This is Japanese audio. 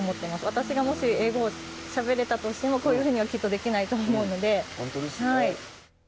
私がもし英語しゃべれたとしても、こういうふうにはきっとできない本当ですね。